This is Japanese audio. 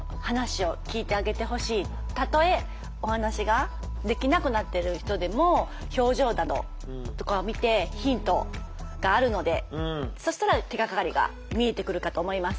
たとえお話ができなくなってる人でも表情などとかを見てヒントがあるのでそしたら手がかりが見えてくるかと思います。